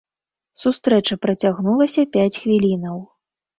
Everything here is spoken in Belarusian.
Сустрэча працягнулася пяць хвілінаў.